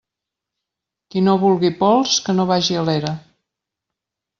Qui no vulgui pols, que no vagi a l'era.